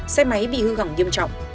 xe máy bị hư gỏng nghiêm trọng